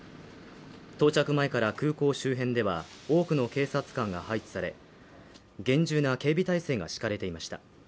到着前から空港周辺では多くの警察官が配置され、厳重な警備態勢が敷かれていました。